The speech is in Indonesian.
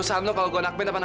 soalnya aku kayak bingitter